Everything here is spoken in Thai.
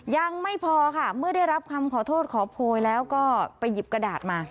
ยังไม่พอค่ะเมื่อได้รับคำขอโทษขอโพยแล้วก็ไปหยิบกระดาษมา